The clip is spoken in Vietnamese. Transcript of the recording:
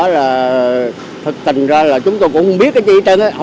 là thật tình ra là chúng tôi cũng biết cái gì trên đó